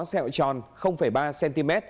xeo tròn ba cm